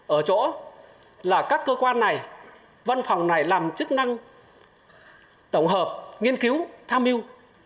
ở chỗ là các cơ quan này văn phòng này làm chức năng tổng hợp nghiên cứu tham mưu